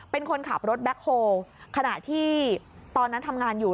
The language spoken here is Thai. เป็นคนขับรถแบ็คโฮลขณะที่ตอนนั้นทำงานอยู่